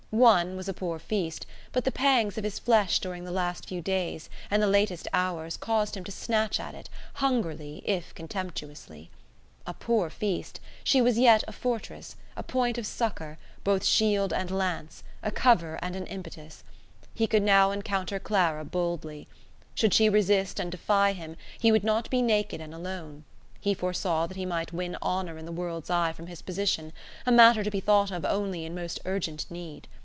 One was a poor feast, but the pangs of his flesh during the last few days and the latest hours caused him to snatch at it, hungrily if contemptuously. A poor feast, she was yet a fortress, a point of succour, both shield and lance; a cover and an impetus. He could now encounter Clara boldly. Should she resist and defy him, he would not be naked and alone; he foresaw that he might win honour in the world's eye from his position a matter to be thought of only in most urgent need.